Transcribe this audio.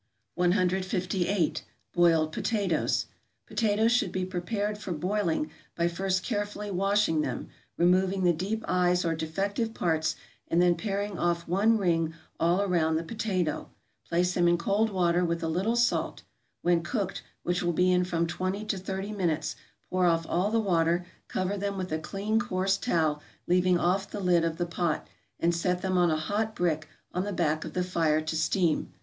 158. =Boiled Potatoes.= Potatoes should be prepared for boiling by first carefully washing them, removing the deep eyes or defective parts, and then paring off one ring all around the potato; place them in cold water with a little salt; when cooked, which will be in from twenty to thirty minutes, pour off all the water, cover them with a clean, coarse towel, leaving off the lid of the pot, and set them on a hot brick on the back of the fire to steam.